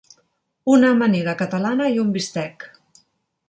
Una amanida catalana i un bistec.